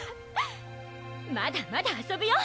まだまだ遊ぶよ